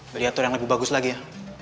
beli atur yang lebih bagus lagi ya